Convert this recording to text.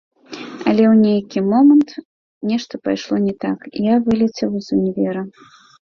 Але ў нейкі момант нешта пайшло не так, і я вылецеў з універа.